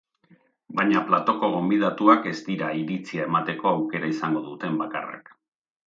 Baina platoko gonbidatuak ez dira iritzia emateko aukera izango duten bakarrak.